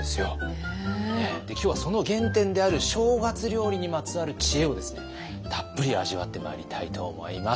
で今日はその原点である正月料理にまつわる知恵をですねたっぷり味わってまいりたいと思います。